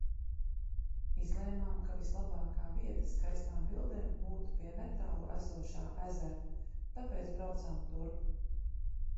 Izlēmām, ka vislabākā vieta skaistām bildēm būtu pie netālu esošā ezera, tāpēc braucām turp.